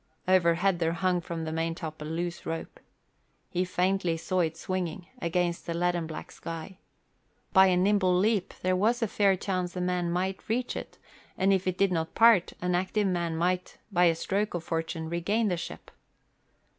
Overhead there hung from the maintop a loose rope. He faintly saw it swinging against the leaden black sky. By a nimble leap there was a fair chance a man might reach it and if it did not part, an active man might by a stroke of fortune regain the ship.